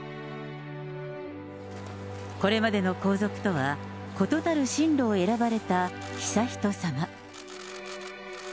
これまでの皇族とは異なる進路を選ばれた悠仁さま。